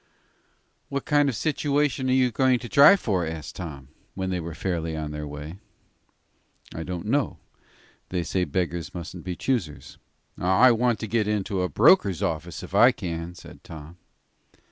"What kind of a situation are you goin' to try for?" asked Tom, when they were fairly on their way. "I don't know. They say that beggars mustn't be choosers." "I want to get into a broker's office if I can," said Tom.